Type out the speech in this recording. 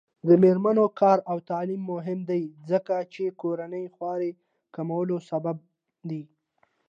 د میرمنو کار او تعلیم مهم دی ځکه چې کورنۍ خوارۍ کمولو سبب دی.